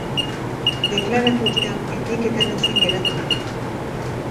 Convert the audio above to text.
Deklaratu ostean, epaiketaren zain geratu da.